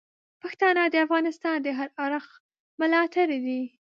پښتانه د افغانستان د هر اړخ ملاتړي دي.